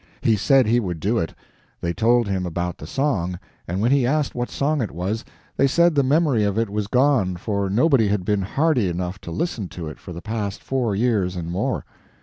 He said he would do it. They told him about the song, and when he asked what song it was, they said the memory of it was gone, for nobody had been hardy enough to listen to it for the past four years and more.